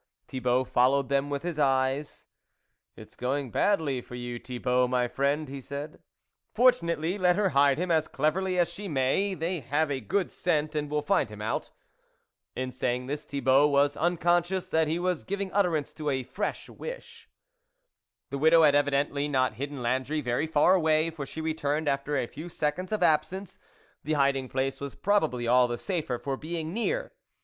Thibault followed them with his eyes :" It's going badly for you, Thibault, my friend," he said ;" fortunately, let her hide him as cleverly as she may, they have a good scent, and will find him out." In saying this, Thibault was uncon scious that he was giving utterance to a fresh wish. The widow had evidently not hidden Landry very far away, for she returned after a few seconds of absence ; the hiding place was probably all the safer for being near.